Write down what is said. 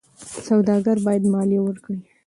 سوداګر باید مالیه ورکړي.